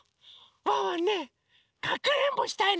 ワンワンねかくれんぼしたいの。